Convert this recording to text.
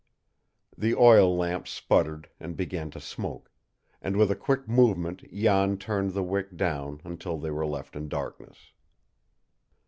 The oil lamp sputtered and began to smoke, and with a quick movement Jan turned the wick down until they were left in darkness.